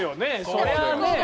そりゃあねえ。